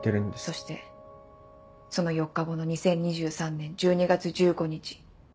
そしてその４日後の２０２３年１２月１５日。